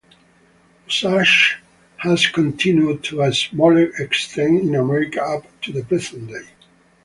Usage has continued to a smaller extent in America up to the present day.